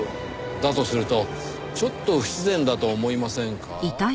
だとするとちょっと不自然だと思いませんか？